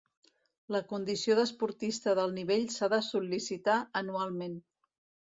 La condició d'esportista d'alt nivell s'ha de sol·licitar anualment.